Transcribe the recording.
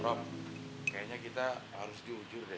rob kayaknya kita harus jujur deh